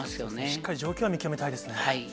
しっかり状況は見極めたいですね。